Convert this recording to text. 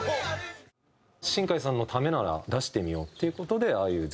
新海さんのためなら出してみようっていう事でああいう